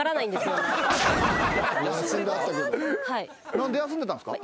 何で休んでたんですか？